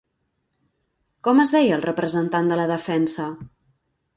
Com es deia el representant de la defensa?